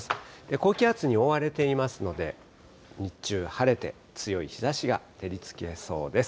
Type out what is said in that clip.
高気圧に覆われていますので、日中、晴れて強い日ざしが照りつけそうです。